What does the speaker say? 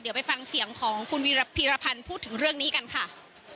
เดี๋ยวไปฟังเสียงของคุณวีรพีรพันธ์พูดถึงเรื่องนี้กันค่ะ